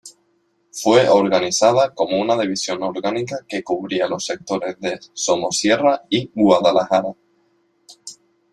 Fue organizada como una división orgánica que cubría los sectores de Somosierra y Guadalajara.